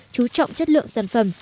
chú trọng chất lượng sản phẩm